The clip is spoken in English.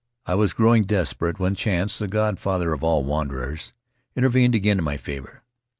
I was growing desperate when Chance, the god father of all wanderers, intervened again in my favor.